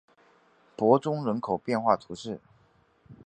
伯宗人口变化图示